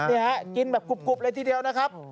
นี่ฮะกินแบบกรุบเลยทีเดียวนะครับ